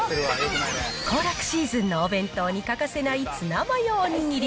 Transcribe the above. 行楽シーズンのお弁当に欠かせないツナマヨお握り。